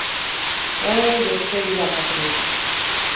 О, яшчэ і як абрыдла!